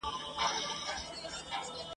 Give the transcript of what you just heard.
زه په اغزیو کی ورځم زه به پر سر ورځمه ..